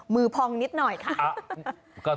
พองนิดหน่อยค่ะ